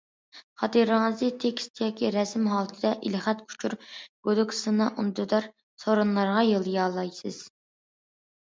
خاتىرىڭىزنى تېكىست ياكى رەسىم ھالىتىدە ئېلخەت، ئۇچۇر، گۈدۈك، سىنا، ئۈندىدار، سورۇنلارغا يوللىيالايسىز.